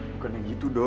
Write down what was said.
bukannya gitu do